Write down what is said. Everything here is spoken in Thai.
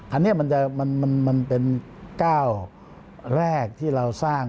อันนี้มันเป็นก้าวแรกที่เราสร้าง